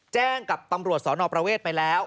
แจ้งกับตำรวจสนประเวทไปแล้ว